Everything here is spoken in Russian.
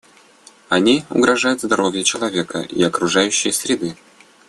Они угрожают здоровью человека и окружающей среды.